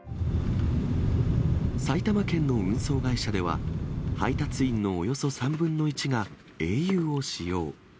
埼玉県の運送会社では、配達員のおよそ３分の１がａｕを使用。